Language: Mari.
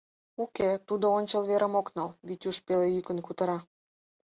Уке, тудо ончыл верым ок нал, — Витюш пеле йӱкын кутыра.